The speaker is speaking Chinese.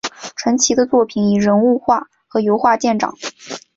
陈奇的作品以人物画和油画见长。